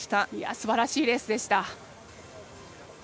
すばらしいレースでした。